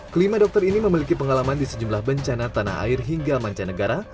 kelima dokter ini memiliki pengalaman di sejumlah bencana tanah air hingga mancanegara